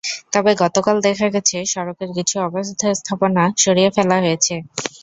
তবে গতকাল দেখা গেছে, সড়কের কিছু অবৈধ স্থাপনা সরিয়ে ফেলা হয়েছে।